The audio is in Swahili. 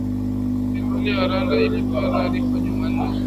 Serikali ya Rwanda ilitoa taarifa Jumanne